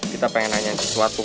kita pengen nanya suatu